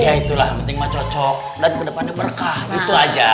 ya itulah penting mah cocok dan kedepannya berkah gitu aja